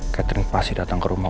catering pasti datang ke rumah